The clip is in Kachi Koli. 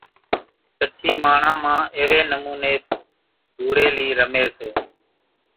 ڪڇي ماڻۿان مان ايوي نموني ڌوڙيلي رمي سي۔